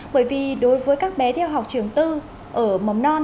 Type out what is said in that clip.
bởi vì đối với các bé theo học trường tư ở mầm non